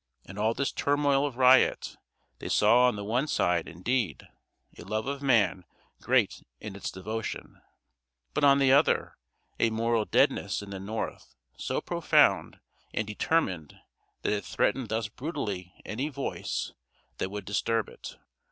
In all this turmoil of riot, they saw on the one side, indeed, a love of man great in its devotion; but on the other, a moral deadness in the North so profound and determined that it threatened thus brutally any voice that would disturb it.